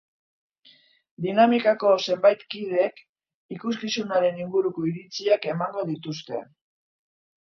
Dinamikako zenbait kidek ikuskizunaren inguruko iritziak emango dituzte.